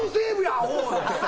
アホ！って。